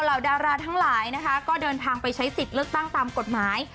ดาราทั้งหลายนะคะก็เดินทางไปใช้สิทธิ์เลือกตั้งตามกฎหมาย